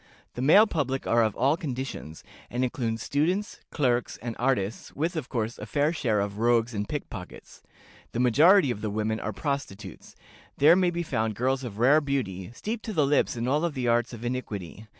The male public are of all conditions, and include students, clerks, and artists, with, of course, a fair share of rogues and pickpockets. The majority of the women are prostitutes: there may be found girls of rare beauty, steeped to the lips in all the arts of iniquity.